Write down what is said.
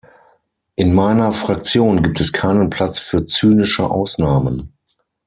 In meiner Fraktion gibt es keinen Platz für zynische Ausnahmen.